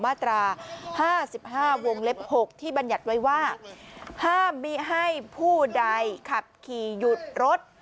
มาตรา๕๕วงเล็บ๖ที่บรรยัติไว้ว่าห้ามมิให้ผู้ใดขับขี่หยุดรถ